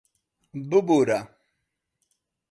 ببوورە...